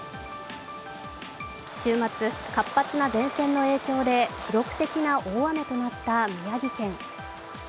週末、活発な前線の影響で記録的な大雨となった宮城県。